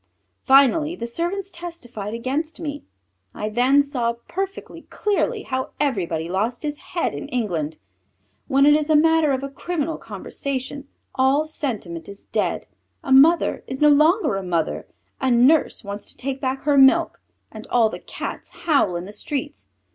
Finally the servants testified against me. I then saw perfectly clearly how everybody lost his head in England. When it is a matter of a criminal conversation, all sentiment is dead; a mother is no longer a mother, a nurse wants to take back her milk, and all the Cats howl in the streets.